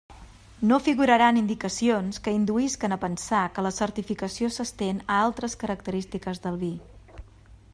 No figuraran indicacions que induïsquen a pensar que la certificació s'estén a altres característiques del vi.